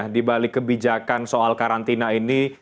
dibalik kebijakan soal karantina ini